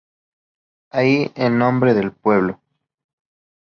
Ahí el nombre del pueblo.